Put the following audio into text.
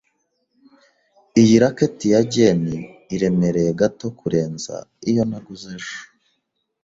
Iyi racket ya Jane iremereye gato kurenza iyo naguze ejo.